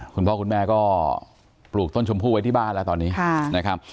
คุณพ่อคุณแม่ก็ปลูกต้นชมพู่ไว้ที่บ้านแล้วตอนนี้นะครับ